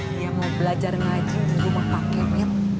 dia mau belajar ngaji di rumah pakai mir